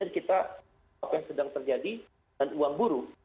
kita apa yang sedang terjadi dan uang buruh